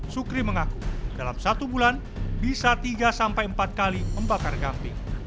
sukri mengaku dalam satu bulan bisa tiga sampai empat kali membakar gamping